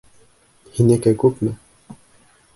Һинеке күпме?